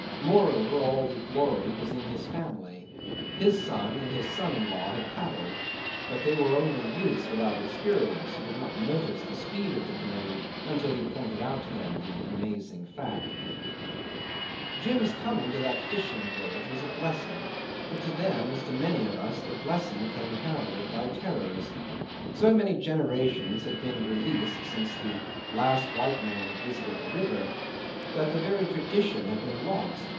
Moreover, all the glory was in his family. His son and his son in law had paddled; but they were only youths without experience, who did not notice the speed of the canoe till he pointed out to them the amazing fact. 'Jim's coming to that fishing village was a blessing; but to them, as to many of us, the blessing came heralded by terrors. So many generations had been released since the last white man had visited the river that the very tradition had been lost.